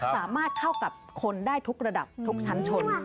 สามารถเข้ากับคนได้ทุกระดับทุกชั้นชน